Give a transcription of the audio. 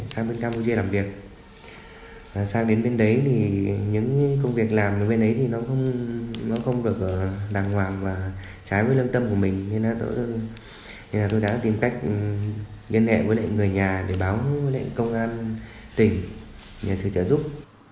tôi đã tìm cách liên hệ với người nhà để báo công an tỉnh nhà sư trợ giúp